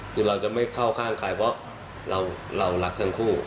คือเราจะไม่เข้าข้างใครเพราะเรารักทั้งคู่